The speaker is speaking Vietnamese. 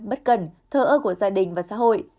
bất cần thờ ơ của gia đình và xã hội